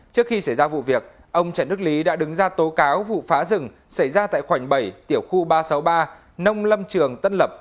trước khi xảy ra vụ việc ông trần đức lý đã đứng ra tố cáo vụ phá rừng xảy ra tại khoảnh bảy tiểu khu ba trăm sáu mươi ba nông lâm trường tân lập